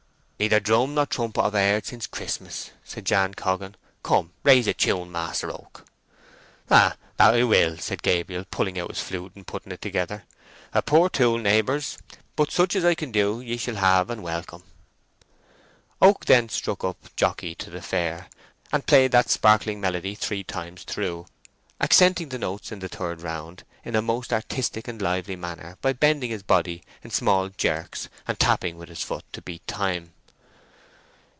"Neither drum nor trumpet have I heard since Christmas," said Jan Coggan. "Come, raise a tune, Master Oak!" "Ay, that I will," said Gabriel, pulling out his flute and putting it together. "A poor tool, neighbours; but such as I can do ye shall have and welcome." Oak then struck up "Jockey to the Fair," and played that sparkling melody three times through, accenting the notes in the third round in a most artistic and lively manner by bending his body in small jerks and tapping with his foot to beat time.